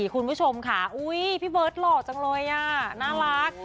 คุณผู้ชมค่ะพี่เบิร์ตหล่อจังเลยอ่ะน่ารัก